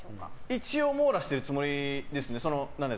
一応、網羅してるつもりですね。